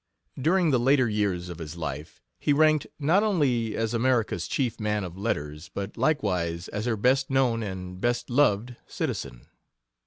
During the later years of his life he ranked not only as America's chief man of letters, but likewise as her best known and best loved citizen.